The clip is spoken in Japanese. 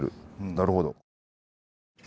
なるほど。